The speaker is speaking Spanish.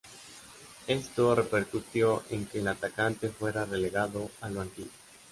Esto repercutió en que el atacante fuera relegado al banquillo.